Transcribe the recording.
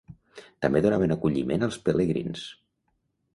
També donaven acolliment als pelegrins.